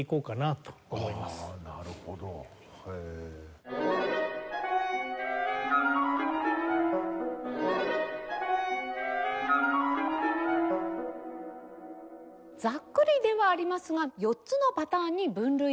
ざっくりではありますが４つのパターンに分類をしました。